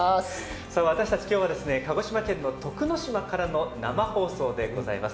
私たち、今日は鹿児島県の徳之島からの生放送でございます。